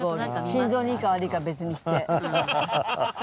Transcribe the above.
心臓にいいか悪いかは別にして。